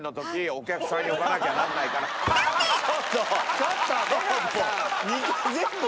ちょっと！